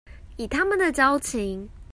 以他們的交情